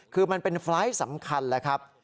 คือมันเป็นไฟล์ทสำคัญแหละครับ